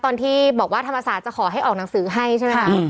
ตอนที่บอกว่าธรรมศาสตร์จะขอให้ออกหนังสือให้ใช่ไหมคะ